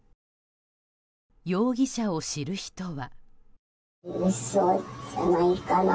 容疑者を知る人は。